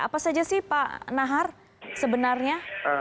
apa saja sih pak nahar sebenarnya